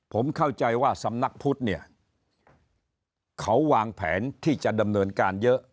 ผมเข้าใจว่าสำนักพุทธเนี่ยเขาวางแผนที่จะดำเนินการเยอะ